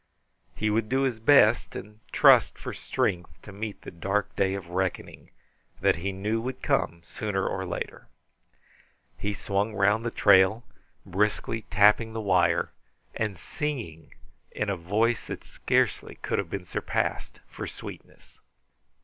He would do his best, and trust for strength to meet the dark day of reckoning that he knew would come sooner or later. He swung round the trail, briskly tapping the wire, and singing in a voice that scarcely could have been surpassed for sweetness.